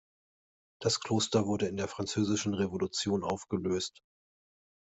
Das Kloster wurde in der Französischen Revolution aufgelöst.